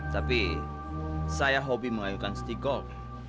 tapi saya hobi mengayuhkan seti golf